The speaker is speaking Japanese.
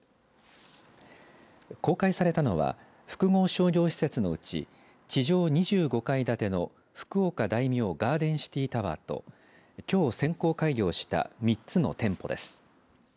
公開されたのは複合商業施設のうち地上２５階建ての福岡大名ガーデンシティ・タワーときょう、先行開業した３つの店舗です。